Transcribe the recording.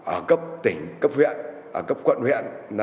ở cấp tỉnh cấp huyện cấp quận huyện